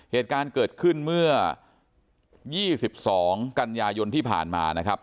เหตุการณ์เกิดขึ้นเมื่อ๒๒กันยายนที่ผ่านมานะครับ